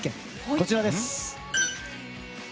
こちらです。